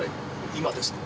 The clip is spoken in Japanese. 今ですか？